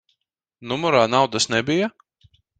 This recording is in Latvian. Numurā naudas nebija?